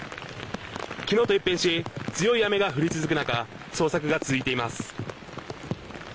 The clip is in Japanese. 昨日と一変し強い雨が降り続く中捜索が続いています。